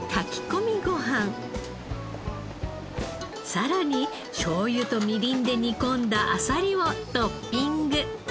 さらにしょうゆとみりんで煮込んだあさりをトッピング。